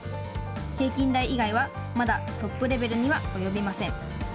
平均台以外はまだトップレベルには及びません。